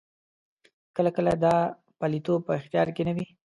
کله کله دا پلویتوب په اختیار کې نه وي.